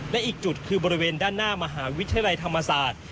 และอีกจุดคือบริเวณด้านหน้ามหาวิทยาลัยธรรมศาสตร์